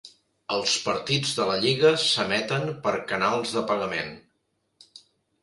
Els partits de la Lliga s'emeten per canals de pagament.